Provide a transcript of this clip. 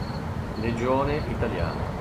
Legione italiana